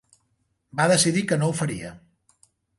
Va decidir que no ho faria.